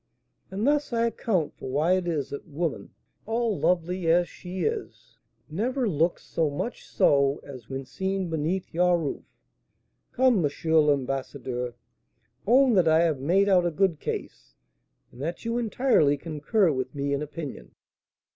And thus I account for why it is that woman, all lovely as she is, never looks so much so as when seen beneath your roof. Come, M. l'Ambassadeur, own that I have made out a good case, and that you entirely concur with me in opinion."